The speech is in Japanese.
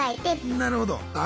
なるほど。